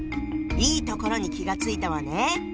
いいところに気が付いたわね！